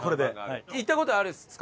行った事あるんですか？